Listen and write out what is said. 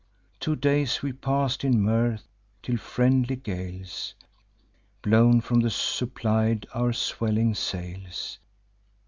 Two days we pass'd in mirth, till friendly gales, Blown from the south supplied our swelling sails.